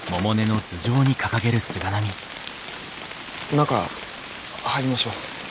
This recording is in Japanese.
中入りましょう。